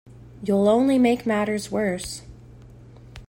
You'll only make matters worse.